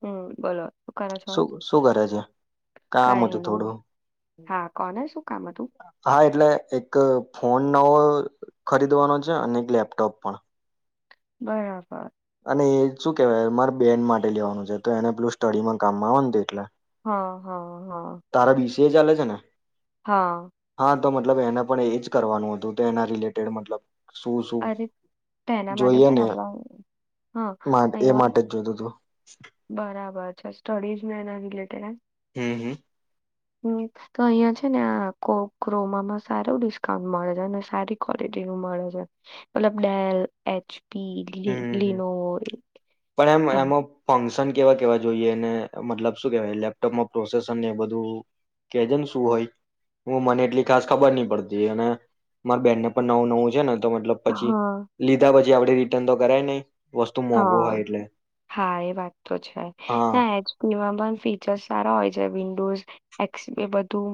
હમ બોલો. કરો છો શું શું કરે છે. કઈ નહી હા કોને શું. કામ હતું હા એટલે. એક ફોન નવો ખરીદવાનો છે. અને એક લેપટોપ પણ. બરાબર‌. અને એ શું કેવાય મારે બેન માટે લેવાનું છે તો એને પેલું સ્ટડીમાં કામમાં આવે એટલે. હા, હા. હા તારા વીસ. જે ચાલે છે. હા. હા તો મતલબ એને પણ એજ કરવાનું હતું તો એના રિલેટેડ મતલબ. શું શું અરે તો એના માટે છે ને આપડા હા. એ માટે જ જોતું હતું [unintelligible] હમ્મ હમ્મ. હમ્મ તો અહિયાં છે ને આ કો ક્રોમામાં સારું ડિસ્કાઉન્ટ મળે છે અને સારી ક્વલિટી નું મળે છે મતલબ ડેલ એચ. પી [unintelligible] [unintelligible] ફક્શન કેવા કેવા જોઈએ ને મતલબ શું કેહેવાય લેપટોપમાં પ્રોસેસર ને એ બધું કેજ ને શું હોય હું મને એટલી ખાસ ખબર નહી પડતી અને મારી બેનને પણ નવું નવું છે ને. મતલબ પછી હા લીધા પછી લીદા આપડે રિટર્ન તો કરાય નહી. વસ્તુ મોંઘું હા હોય એટલે હા એ વાત તો છે. હા એચપીમાં પણ ફીચર્સ સારા હોય છે વિન્ડોઝ એક્સ એ બધું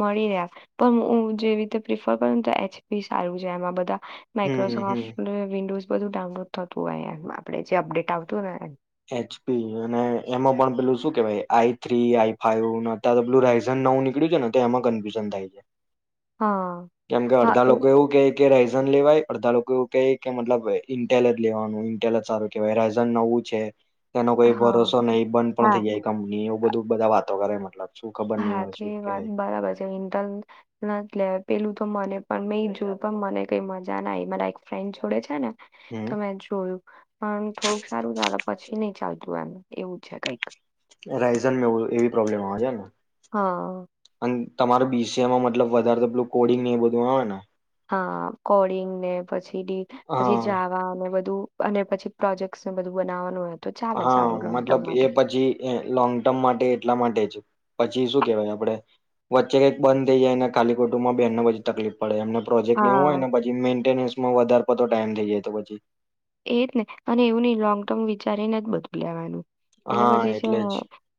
મળી રે પણ હું જેવી રીતે પ્રિફર કર તો એચપી સારું છે એમાં બધા હમ હમ માઇક્રોસોફ્ટને વિન્ડોઝ બધું ડાઉનલોડ થતું હોય એમ. આપડે જે અપડેટ આવતું હોય એચપી અને એમાં પણ પેલું શું કેહેવાય I three I five one અતા પેલું રાયઝન નવું નીકળ્યું છે ને તો એમાં કન્ફ્યુઝન થાય હા કેમ કે હા અડધા એ- લોકો એવું કેય કે રહી લેવાય અડધા લોકો એવું કેય કે મતલબ ઇન્ટલ જ લેવાનું ઇન્ટેલ જ સારું કેહેવાય રાયઝન નવું છે. એનો કોઈ હા ભરોસો નહી બંધ પણ હા થઇ જાય કંપની અ- બધું બધા વાતો કરે મતલબ શું ખબર નહી હા હોય તો શું એ વાત કેવાય બરાબર છે ઇન્ટલ ના જ લેવાય. પેલું તો મને પણ મેં જોયું પણ મને કઈ મજા ના આયી મારા એક ફ્રેન્ડ જોડે છે ને હમ તો મેં જોયું પણ થોડુંક પછી નહી ચાલતું એમ એવું છે કઈક. રાઇઝનમાં એવું એવી પ્રોબ્લેમ આવે છે ને. હા અન તમાર બીસીઆઈ મતલબ વધારે તો પેલું કોડિંગ ને એ બધું આવે ને? હા કોડિંગ ને પછી ડી પછી હા જાવા અને બધું અને પછી પ્રોજેક્ટસ ને બધું બનાવાનું હા મતલબ એ પછી લોંગ ટર્મ માટે એટલા માટે જ પછી શું કેહેવાય આપડે વચ્ચે કઈક બંધ થઈ જાયને ખાલી ખોટું માં બેનને પછી તકલીફ પડે એમને પ્રોજેક્ટને એવું હા હોયને પછી મેન્ટેનસ માં વધારે પડતો ટાઈમ થઈ જાય તો પછી એજ ને અને એવું નહી લોંગ ટર્મ વિચારીને જ બધું લેવાનું. એટલે હા પછી શું જ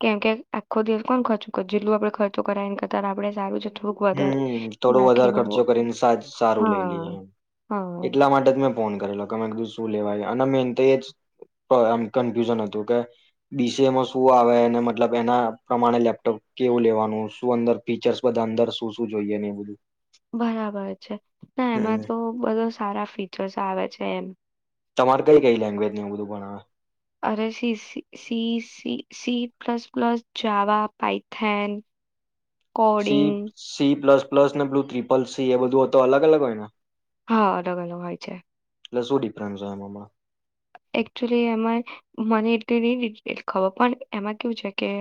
કેમકે આખો દિવસ કોણ જેટલી વાર તો કરાય એના કરતાં તો આપડે સારું છે. થોડુંક વધારે હમ્મ‌ થોડો વધારે નાખીને વો- ખર્ચો કરીને સારું લઈ લઈએ. હા હા એટલા માટે જ મેં ફોન કરેલો કીધું શું લેવાય અને મેન તો જ કન્ફ્યુઝન હતું કે બીસીઆઈમાં શું આવે મતલબ એના પ્રમાણે લેપટોપ કેવું લેવાનું શું અંદર ફીચર્સ બધા અંદર શું શું જોઈએ ને એ બધું. બરાબર છે ના હમ એમાં તો બધો સારા ફીચર્સ આવે છે. છે એમ. તમારે કઈ કઈ લેંગ્વેજ એ બધું ભણાવે? અરે C C plus plus Java Python. C coding C plus plus ને બ્લુ ત્રિપલ સી એ બધું હો તો અગ અલગ હોય ને! હા અલગ અલગ હોય છે. એટલે શું ડિફ્રેન્સ હોય એમા એકચુલી એમાં મને એટલી નહી ડિટેલ ખબર પણ એમાં કેવું છે કે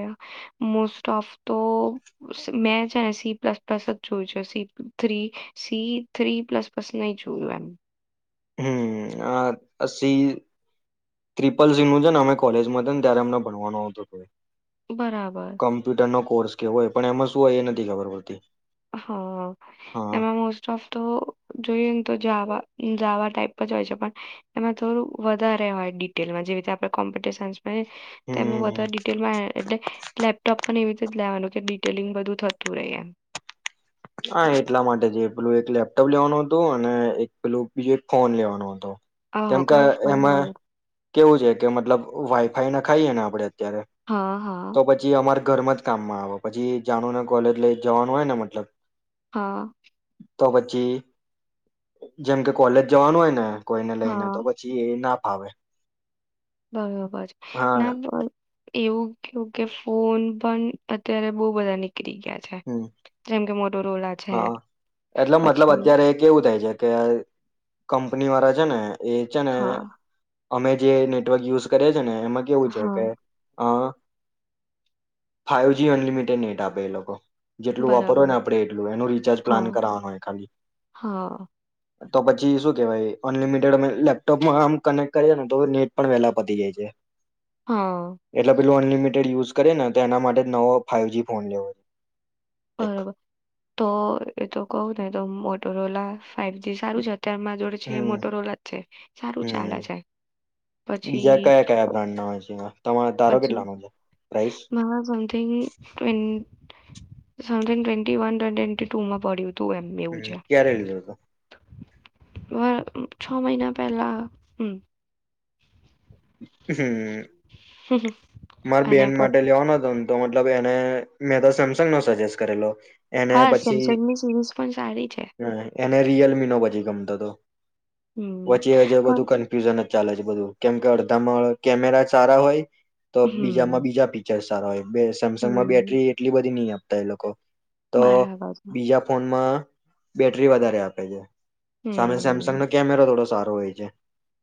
મોસ્ટ ઓફ તો મેં છે ને સી પ્લસ પ્લસ જ જોયું છે C C three plus plus નહી જોયું એમ. હમ્મ આ સી ટ્રિપલ સી નું છે ને અમે કોલેજમાં છે ને ત્યારે અમને ભણવાનું આવતો હતું એમ બરાબર કોમ્પ્યુટરનો કોર્સ કે હોય પણ એમાં શું હોય એ નથી ખબર પડતી. હ હા એમાં મોસ્ટ ઓફ તો જોઈએને તો જાવા જાવા ટાઈપ જ હોય છે. પણ એમાં થોડું વધારે હોય ડિટેલમાં જેવી રીતે આપણે કોમ્પ્યુટર સાયન્સમાં અને તેમાં હમ વધારે ડિટેલમાં એટલે લેપટોપ પણ એવી રીતે જ લેવાનું કે ડિટેલિંગ બધું થતું રહે એમ. હા એટલા માટે જે પેલું એક લેપટોપ લેવાનું હતું અને એક પેલું બીજો એક ફોન લેવાનો હતો. આહો કેમ કે કયો ફોન એમાં આવે કેવું છે કે મતલબ વાઈફાઈ નખાઈએ ને આપડે અત્યારે હા તો હા પછી અમાર ઘરમાં જ કામમાં આવે પછી જાનુ ને કોલેજ લઈ જવાનું હોય ને મતલબ હા. તો પછી જેમ કે કોલેજ જવાનું હોય ને કોઈને લઈને તો હા પછી એ ના ફાવે. બરોબર છે હા નામ એવું કેવું કે ફોન પણ અત્યારે બઉ બધા નીકળ નિકળી ગયા છે હમ જેમ કે મો હા એટલે મતલબ અત્યારે એક કેવું થાય છે કે કંપની વાળા છે ને એ છે ને હા અમે જે નેટવર્ક યુઝ કરએ ને એમાં કેવું છે હા કે અ ફાઈવ જ અનલિમિટેડ નેટ આપે એ લોકો. જેટલું વાપરો હોય બરાબર ને આપડે. એનું રિચાર્જ પ્લાન હા કરવાનું હોય ખાલી. હા તો પછી શું કેવાય અનલિમિટેડ અમે લેપટોપમાં આમ કનેક્ટ કરીએ ને તો નેટ પણ વેલા પતી જાય છે. હા. એટલે અનલિમિટેડ યુઝ કરેને તો એના માટે જ નવો ફાઈવ જી ફોન લેવો. એક બરોબર. તો એ તો કઉ ને તો મોટરો ઓલા ફાઈવજી સારું છે. તે માર જોડે છે. એ હમ મોટોરોલા જ છે. સારું ચાલે હમ છે. બીજા પછી કયા કયા બ્રાન્ડ ના હોય છે તમા તારો પછી કેટલાનો છે price [unintelligible] something something twenty one ટ ટ્વેન્ટી ટુ માં પડ્યું. હતું એમ એવું હમ છે ક્યારે લીધો તો? [unintelligible] છ મહિના પહેલા હમ હમ માર અને બેન માટે પછી લેવાનો હતો તો મતલબ એને મેં તો સેમસંગનો સજેસ્ટ કરેલો એને હા પછી સેમસંગની સિરીઝ પણ સારી છે. એને રિયલમીનો પછી ગમતો તો. હમ વચ્ચે હજ બધું પણ કન્ફ્યુઝન હ ચાલે છે. બધું કેમ કે તમળ કેમેરા સારા હોય તો બીજામાં હમ બીજા પીચર્સ તારોય બે સેમસંગમાં હમ બેટરી એટલી બધી નહી આપ તા એ લોકો તો બરાબર છે બીજા ફોનમાં બેટરી વધારે આપે છે. સામે હમ સેમસંગનો કેમેરો થોડો સારો હોય છે.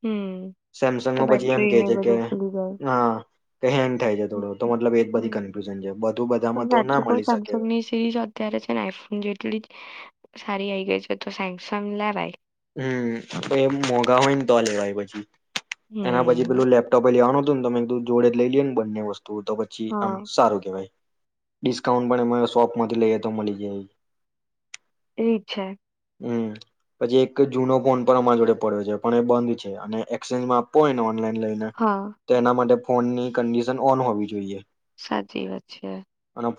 હમ તો સેમસંગમાં પછી એમ બેટરી કે ને છે કે બધું ફૂલી જાય ના હેંગ થાય છે થોડો તો મતલબ એ જ બધી હમ કન્ફ્યુઝન છે. બધું પણ બધામાં તો ના સાચું કવ મળી શકે. સેમસંગની સિરીઝ અત્યારે છે ને આઈફોન જેટલી જ સારી આઈ ગઈ છે. તો સેંગસંગ લેવાય. હમ તો એ મોંઘા હોયને તો લેવાય પછી એના પછી હમ પેલું લેપટોપય લેવાનું [unintelligible] મેં કીધું જોડે જ લઈ લીએન બંને વસ્તુ તો તો પછી આમ હા સારું કેવાય. ડિસ્કાઉન્ટ પણ એમાં શોપમાંથી લઈએ તો મલી જાય. એ છે. હમ! પછી એક જુનો ફોન પણ અમારી જોડે પડ્યો છે, પણ એ બંધ છે. અને એક્સચેન્જમાં આપવો હોય ને ઓનલાઈન લઈ ને હા તો એના માટે ફોનની કન્ડિશન ઓન હોવી જોઈએ. સાચી વાત છે.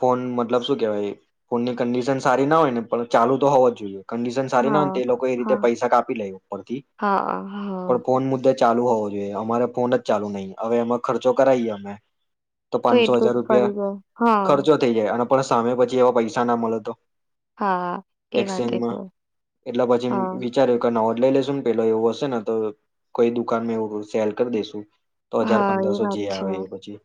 ફોન મતલબ શું કેવાય ફોનની કંડિશન સારી ના હોયને, પણ ચાલુ તો હોવો જ જોઈએ. કન્ડિશન સારી ના હોય ને હા તો એ લોકો એ રી હા હા હા ચાલુ હોવો જોઈએ, અમારે ફોન જ ચાલુ નહી અવે એમાં ખર્ચો કરાઈએ અમે. તો પાંનસો એટલું હજાર જ પડી રૂપિયા જાય હા ખર્ચો થઈ જાય અને પણ સામે પછી એવા પૈસા ના મલે તો? હા! એ વાતે એક્સચેન્જમાં હો એટલે પછી વિચાર્યું કે નવો જ લઈ લેશું ને, પેલો એવું હશે ને તો કોઇ દુકાનમાં એવું સેલ કરી દેસુ. તો હજાર હા એ પંદરસો વાત જે છે આવે એ પછી.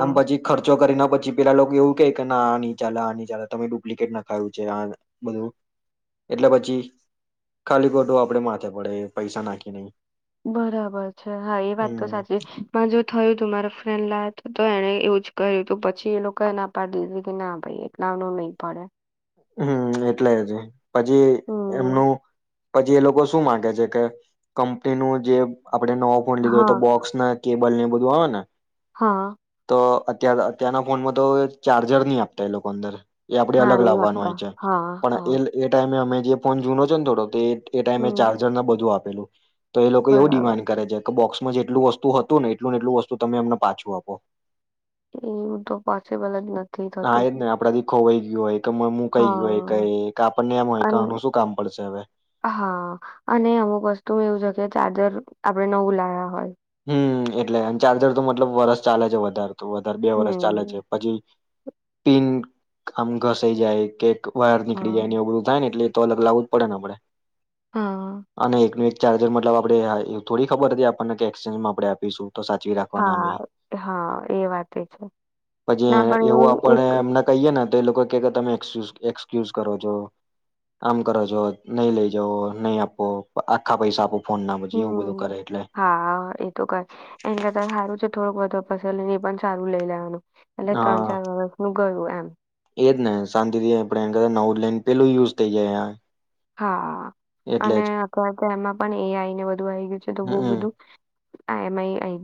આમ પછી ખર્ચ [unintelligible] કરી ના પછી પેલા લોકો એવું કે ના આની ચાલે આની ચાલે, તમે ડુપ્લિકેટ નખાયું છે, આ બધું. એટલે પછી ખાલી [unintelligible] આપડે માથે પડે પૈસા નાખી [unintelligible] બરાબર છે, હા! એ વાત તો સાચી પણ જો થયું તું મારા ફ્રેન્ડ લાય તો એણે એવુ જ કર્યું તો પછી એ લોકો એ ના પાડી દીધી કે ના ભાઈ એટલા નો નહી પડે. હમ એટલે જ. પછી હમ એમનું? પછી એ લોકો શું માંગે છે, કે કંપનીનું જે આપણે નવો ફોન લીધો એતો હા બોક્સ ને કેબલને એ બધું [unintelligible] ને હા તો [unintelligible] અત્યારના ફોનમાં તો ચાર્જર ની આપતા એ લોકો અંદર. એ આપડે હા, અલગ લા નહીં હોય આપતા. છે. હા, પણ હા, એ લ એ ટા ને અમે જે ફોન જુનો છે, ને થોડો તે એ ટાઈમે હમ, ચાર્જર ને બધું આપે પેલુ તો એ લોકો એવું બરાબર. ડિમાન્ડ કરે છે, કે, બોક્સ જેટલું વસ્તુ હતું ને એટલું ને એટલું વસ્તુ તમે એમને પાછું આપો. એવું તો પોસીબલ જ નથી. હા થતું. એ જ નહી આપડા ખોવાઈ ગયયો હો. હું કઈ ગયોય હા, કઈ આપણને એમ હોય કે અન આનું શું કામ પડશે હવે. હા, અને અમુક વસ્તુ એવું છે કે ચાર્જર આપડણે નવું લાવ્યા હોય. હમ એટલે ચાર્જર તો મતલબ વરસ ચાલે છે, વધારે તો વધારે બે વરષ ચાલે છે, હમ, પછી. પિન આમ ઘસાઈ જાય કે વાયર નીકળી જાય હા, ને એવુ બધું થાય એટલે. તો અલગ લાવવું જ પડે ને આપડે. હા, અને એકનું. ચાર્જર, મતલબ આપડે થોડી ખબર હતી આપણને કે ચેન્જ આપણે આપીશું. તો સાચવી રાખવાના અમે હા. હા, એ વાત છે ના પણ એવું એક. તે લોકો કે તમે એજ એક્સક્યુઝ કરો છો, આમ કરો છો, નહી લઈ જવો, નહી આપો, આખા પૈસા આપો. ફોન ના પછી એવું બધું હમ, કરે એટલે. હા, એ તો કર એને કરતા સારું છે થોડુંક બધું. પલ એ પણ સારું લઈ લેવાનું. એટલે હા, વર્ષનું ગયું એમ. એજ ને શાંતિથી આપડે [unintelligible] નવ ન પેલું યુઝ થઈ જાય. હા એટલે અને જ અત તો એમાં પણ એઆઈ ને વધુ આવી ગયું છે તો બ હમ બધું. [unintelligible] આ.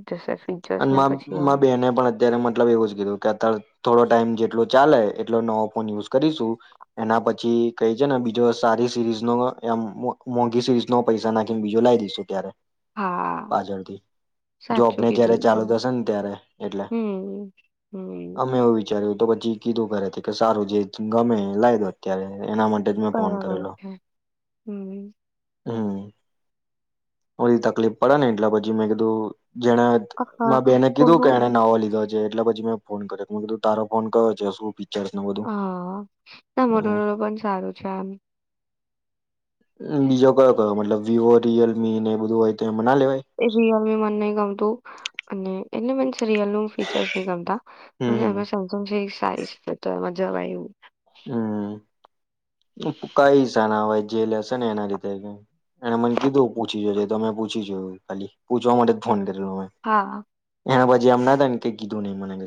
જશે ફીચર્સ અને ને મા પછી આમ માર બેને પણ અત્યારે મતલબ એવું જ કીધું કે અત્યારે થોડો ટાઈમ જેટલો ચાલે એટલો નવો ફોન યુઝ કરીશું, એના પછી કઈ છે ને બીજો સારી સીરીઝ નો મોંઘી સીરીઝ નો પૈસા નાખીને બીજો લાવ દઈશું ત્યારે. હા પાજળથી, જો આપને સાચું કીધું જ્યારે. ચાલુ એકદમ થશે ને ત્યારે એટલે, હમ હમ અમે એવું વિચાર્યું. તો પછી કીધું કરે કે, સારું જે ગમે લાઇ દો અત્યારે. એના માટે જ મેં ફોન બરાબર કરેલો. છે હમ હમ. બધી તકલીફ પડે ને એટલે પછી મેં કીધું જેણે હા મા બેને કીધું કે કોનું એને નવો લીધો. એટલે પછી મેં ફોન કર્યો, કીધું તારો ફોન કયો છે શું ફીચર્સ ને બધું હા, ના મોટરોલા પણ સારું છે એમ. બીજો કયો કયો મતલબ વિવો, રિયલમી ને એ બધું હોય. એમાં ના લેવાય એ રીયલી મન નહિ ગમતું અને. એટલે મીન્સ. રયલ ન ફીચર્સ ન હમ ગમતા હમ એ સેમસંગ સારી. જવાય એવું. હમ કઈ સાના હોય જે લેશે ને એના લીધે, એને મને કીધું પૂછી જે તમે પૂછી જો, ખાલી પૂછવા માટે જ ફોન કરેલો. હા. હ પછી એમ ના થય કે કિધું નહીં મને ગુ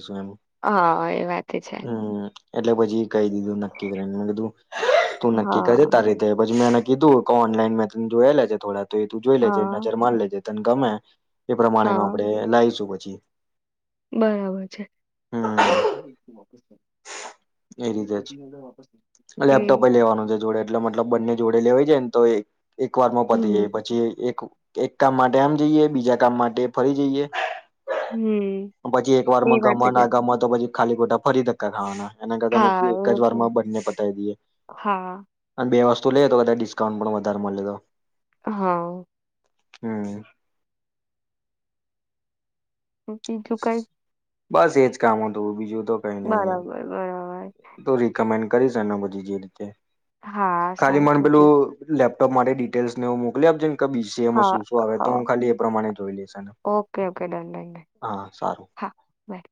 હા એ વાત છે. એટલે પછી ક દીધું નક્કી કરીને મેં કીધું. તું નક્કી કરજે હા તારી રીતે મે ન કીધું કે ઓનલાઈન મે ત જોયેલા છે થોડા. તો એ તું જોઈ લેજે હા નજર માન લેજે. તન ગમે એ પ્રમાણેનું હા આપડે લાવશું. જી. બરાબર છે. એ રીતે જ લેપટોપ એ લેવાનું છે જોડે એટલે મતલબ બંને જોડે લે. લેવાય જાયને તો એક. એક વાર પતી જાય હમ પછી એક. એક કામ માટે આમ જઈએ બીજા કામ માટે ફરી જઈએ. હમ પછી એક એ વારમાં વાત છે ગમા કે- ના ગમા તો પછી. ખાલી ખોટા ફરી ધક્કા ક ખાવાના. એના કરતા મેં હા કીધું એ એક જ ને. વારમાં બંને પતાવી દઇએ હા અને બે વસ્તુ. શું લઈએ તો વધારે ડિસ્કાઉન્ટ પણ વધારે મળે તો હા. હમ. બીજું કઈ? બસ એજ કામ હતું બીજું. બરાબર બરાબર [inaudible] કરીશ આના પછી જે તે. હા ખાલી સાચું મન પેલું કીધું લે. લેપટોપ માટે ડિટેલ્સનેુ એવુ મોકલી આપજ ને. બીસીઆઈમાં હા શું શું આવે તો હા હું ખાલી એ પ્રમાણે જોઈ લઈશ ને. Okay okay done done done હા સારું. હા બાય